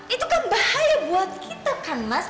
itu kan bahaya buat kita kan mas